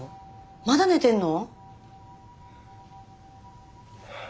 まだ寝てんの？